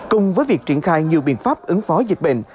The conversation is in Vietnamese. cùng với việc triển khai nhiều biện pháp ứng phó dịch bệnh